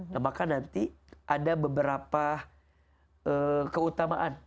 nah maka nanti ada beberapa keutamaan